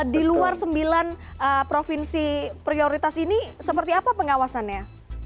di luar sembilan provinsi prioritas ini seperti apa pengawasannya